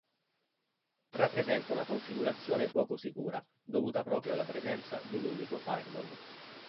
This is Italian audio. Rappresenta una configurazione poco sicura dovuta proprio alla presenza di un unico firewall.